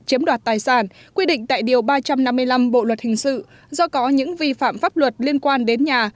chiếm đoạt tài sản quy định tại điều ba trăm năm mươi năm bộ luật hình sự do có những vi phạm pháp luật liên quan đến nhà